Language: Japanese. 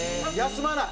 休まない？